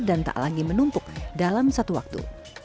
dan tak lagi menumpuk dalam satu waktu